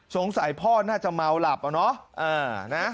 อ้อสงสัยพ่อน่าจะเมาหลับนะ